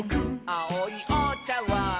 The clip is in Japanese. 「あおいおちゃわん」